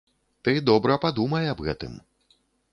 Ты добра падумай аб гэтым.